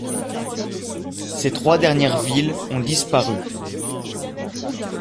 Ces trois dernières villes ont disparu.